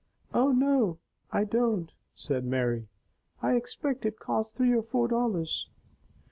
"Oh, no I don't!" said Mary. "I expect it cost three or four dollars."